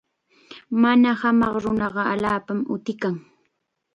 Mana hamaq nunaqa allaapam utikan.